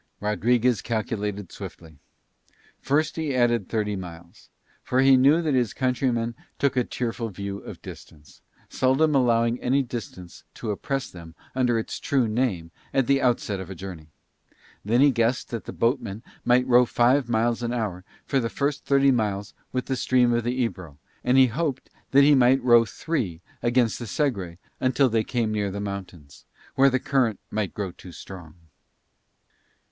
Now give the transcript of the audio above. Rodriguez calculated swiftly. First he added thirty miles; for he knew that his countrymen took a cheerful view of distance, seldom allowing any distance to oppress them under its true name at the out set of a journey; then he guessed that the boatman might row five miles an hour for the first thirty miles with the stream of the Ebro, and he hoped that he might row three against the Segre until they came near the mountains, where the current might grow too strong.